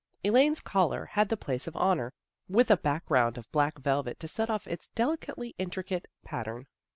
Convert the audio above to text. Elaine's collar had the place of honor, with a background of black velvet to set off its deli cately intricate pattern.